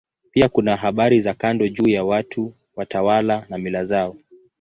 Pia kuna habari za kando juu ya watu, watawala na mila zao.